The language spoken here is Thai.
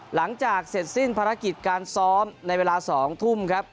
หลังจากเสร็จสิ้นภารกิจการซ้อมในเวลา๒ทุ่มครับ